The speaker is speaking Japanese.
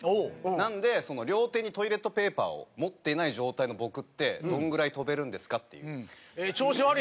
なので両手にトイレットペーパーを持ってない状態の僕ってどんぐらい飛べるんですかっていう。